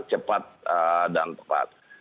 cepat dan tepat